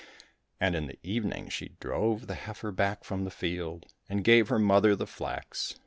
And in the evening she drove the heifer back from the field and gave her mother the flax.